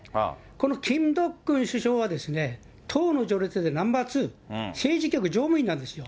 このキム・ドックン首相は党の序列でナンバー２、政治局常務員なんですよ。